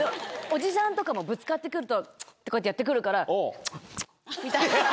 おじさんとかもぶつかって来ると。とかってやって来るから。